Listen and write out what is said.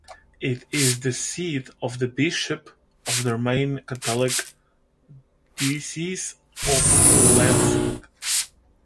It is the seat of the bishop of the Roman Catholic Diocese of Lansing.